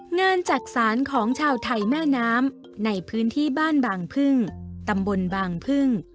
จักษานของชาวไทยแม่น้ำในพื้นที่บ้านบางพึ่งตำบลบางพึ่ง